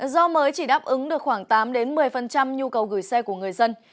do mới chỉ đáp ứng được khoảng tám một mươi nhu cầu gửi xe của người dân